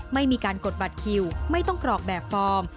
ไม่มีการกดบัตรคิวไม่ต้องกรอกแบบฟอร์ม